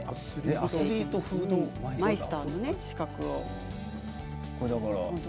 アスリートフードマイスターの資格を。